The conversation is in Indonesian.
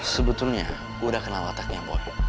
sebetulnya gue udah kenal otaknya boy